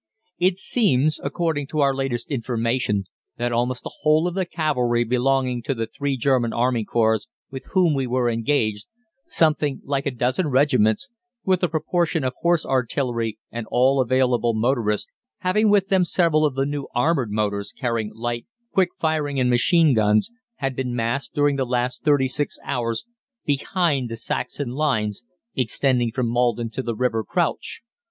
It seems, according to our latest information, that almost the whole of the cavalry belonging to the three German Army Corps with whom we were engaged something like a dozen regiments, with a proportion of horse artillery and all available motorists, having with them several of the new armoured motors carrying light, quick firing and machine guns had been massed during the last thirty six hours behind the Saxon lines extending from Maldon to the River Crouch.